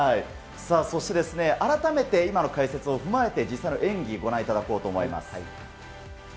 そして改めて今の解説を踏まえて実際の演技、ご覧いただこうと思います。